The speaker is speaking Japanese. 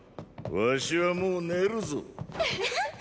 儂はもう寝るぞ。